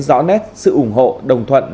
rõ nét sự ủng hộ đồng thuận